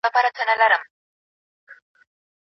د پیرانو په خرقوکي شیطانان دي